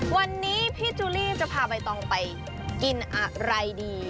วันนี้พี่จูลี่จะพาใบตองไปกินอะไรดี